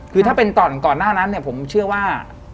คือถ้าเป็นก่อนหน้านั้นเนี่ยผมเชื่อว่า